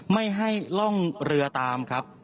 ไม่ให้ล่องเรือตามครับ